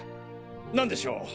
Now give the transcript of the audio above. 何でしょう？